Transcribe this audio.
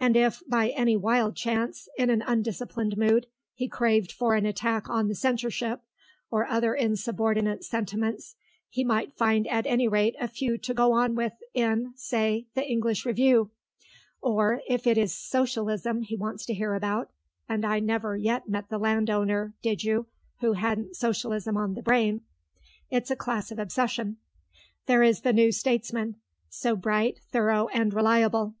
And if, by any wild chance, in an undisciplined mood, he craved for an attack on the censorship, or other insubordinate sentiments, he might find at any rate a few to go on with in, say, the English Review. Or, if it is Socialism he wants to hear about (and I never yet met the land owner, did you, who hadn't Socialism on the brain; it's a class obsession), there is the New Statesman, so bright, thorough, and reliable.